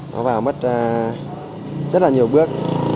nó vào mất rất là nhiều bước